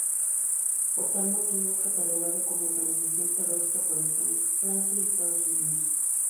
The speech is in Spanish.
Por tal motivo es catalogado como organización terrorista por España, Francia y Estados Unidos.